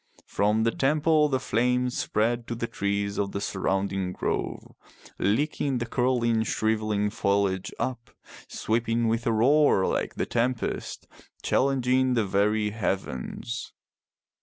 From the temple the flames spread to the trees of the surrounding grove, licking the curling shrivelling foliage up, sweeping with a roar like the tempest, challenging the very heavens.